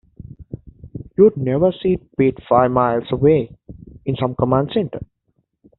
You would never see Pete five miles away, in some command center.